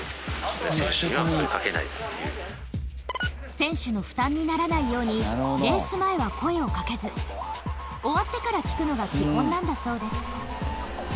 選手の負担にならないようにレース前は声を掛けず終わってから聞くのが基本なんだそうです